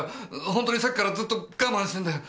ホントにさっきからずっと我慢してんだよ。